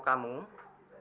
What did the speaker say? kamu masih ingat kamu